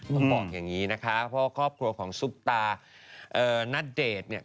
ต้องบอกอย่างนี้นะคะเพราะว่าครอบครัวของซุปตาณเดชน์เนี่ย